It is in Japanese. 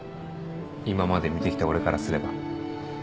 今まで見てきた俺からすれば。